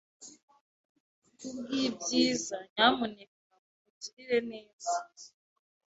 Kubwibyiza, nyamuneka mumugirire neza.